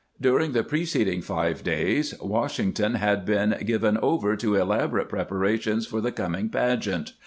During the preceding five days Washington had been given over to elaborate preparations for the coming pageant.